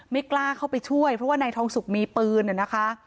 ไม่กล้าเข้าไปช่วยเพราะว่านายทองสุกมีปืนนะคะ